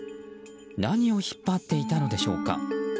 何を引っ張っていたのでしょうか。